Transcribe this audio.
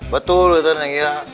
betul itu nek